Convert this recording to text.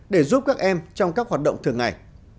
để giúp các em trong các hoạt động thường ngày